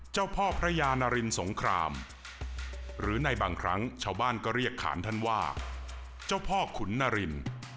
เจ้าพ่อพระยานารินสงครามหรือในบางครั้งชาวบ้านก็เรียกขานท่านว่าเจ้าพ่อขุนนาริน